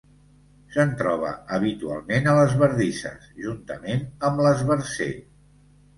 Se'n troba habitualment a les bardisses, juntament amb l'esbarzer.